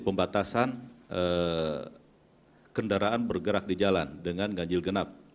pembatasan kendaraan bergerak di jalan dengan gajil genap